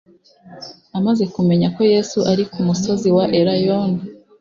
Amaze kumenya ko Yesu ari ku musozi wa Elayono,